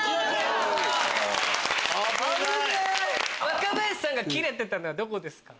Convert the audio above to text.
若林さんがキレてたのどこですか？